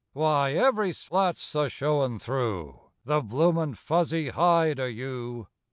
Wye, every slat's a showin' through The bloomin' fuzzy hide o' you.